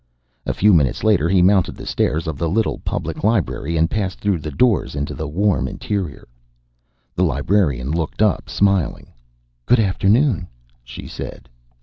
A few minutes later he mounted the stairs of the little public library and passed through the doors into the warm interior. The librarian looked up, smiling. "Good afternoon," she said.